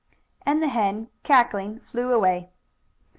And the hen, cackling, flew away.